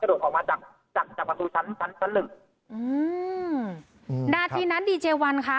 โดดออกมาจากจากประตูชั้นชั้นชั้นหนึ่งอืมนาทีนั้นดีเจวันค่ะ